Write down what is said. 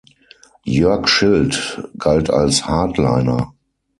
Jörg Schild galt als Hardliner.